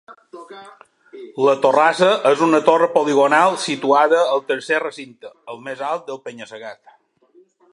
La torrassa és una torre poligonal situada al tercer recinte, el més alt del penya-segat.